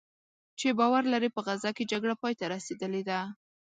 چې باور لري "په غزه کې جګړه پایته رسېدلې ده"